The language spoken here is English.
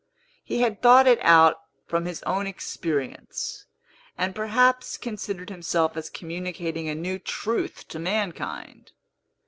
He had thought it out from his own experience, and perhaps considered himself as communicating a new truth to mankind.